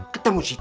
ketemu si imas